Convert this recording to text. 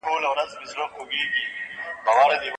یادونه: عکس د تېر کال دی.